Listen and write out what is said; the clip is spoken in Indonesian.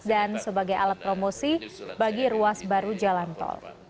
dan sebagai alat promosi bagi ruas baru jalan tol